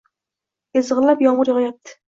Ezgʻilab yomgʻir yogʻyapti.